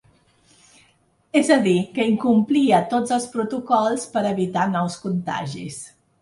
És a dir, que incomplia tots els protocols per a evitar nous contagis.